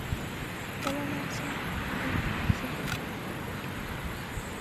خپله لاسه ، گله لاسه.